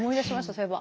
そういえば。